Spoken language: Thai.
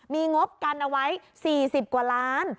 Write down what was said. มีงบกันเอาไว้๔๐กว่าล้าน